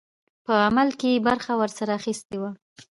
په عمل کې یې برخه ورسره اخیستې وه.